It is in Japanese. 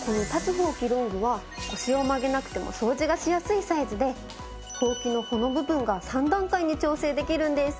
ほうきロングは腰を曲げなくても掃除がしやすいサイズでほうきのこの部分が３段階に調整できるんです。